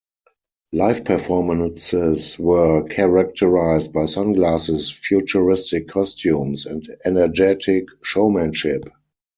Live performances were characterized by sunglasses, futuristic costumes, and energetic showmanship.